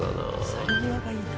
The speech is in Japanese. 去り際がいいな。